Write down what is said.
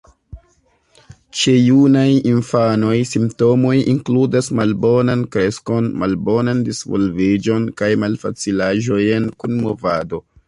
Ĉe junaj infanoj simptomoj inkludas malbonan kreskon, malbonan disvolviĝon kaj malfacilaĵojn kun movado.